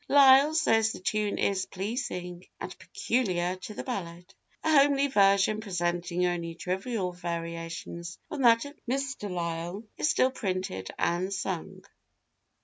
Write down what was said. Lyle says the tune 'is pleasing, and peculiar to the ballad.' A homely version, presenting only trivial variations from that of Mr. Lyle, is still printed and sung.